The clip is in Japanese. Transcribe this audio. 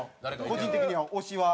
個人的には推しは？